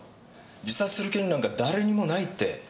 自殺する権利なんか誰にもないって。